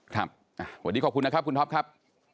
ครับวันนี้ขอบคุณนะครับคุณท็อปครับ